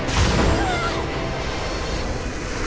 うわっ！